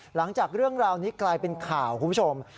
หลังจากเรื่องราวนี้กลายเป็นข่าวคุณผู้ชม